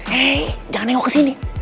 hei jangan nengok kesini